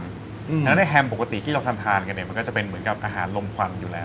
เพราะฉะนั้นแฮมปกติที่เราทานกับอีกตัวเองก็จะเหมือนอาหารลมควันอยู่แล้ว